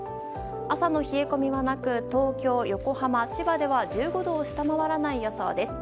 朝の冷え込みはなく東京、横浜、千葉では１５度を下回らない予想です。